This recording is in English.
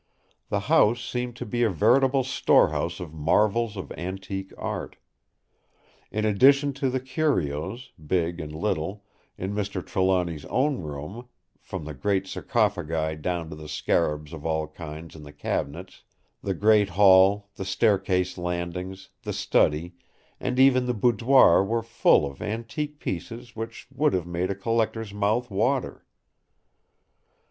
The house seemed to be a veritable storehouse of marvels of antique art. In addition to the curios, big and little, in Mr. Trelawny's own room—from the great sarcophagi down to the scarabs of all kinds in the cabinets—the great hall, the staircase landings, the study, and even the boudoir were full of antique pieces which would have made a collector's mouth water.